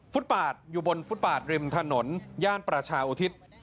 ปาดอยู่บนฟุตปาดริมถนนย่านประชาอุทิศ